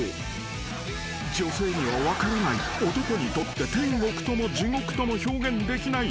［女性には分からない男にとって天国とも地獄とも表現できない